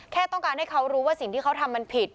แค่ต้องการให้เขารู้ว่าสิ่งที่เขาทำมันผิด